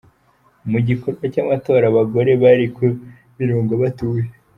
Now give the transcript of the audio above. Mu gikorwa cy’amatora abagore bari ku mirongo batuje.